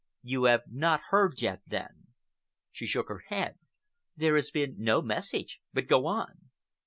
You have not heard yet, then?" She shook her head. "There has been no message, but go on."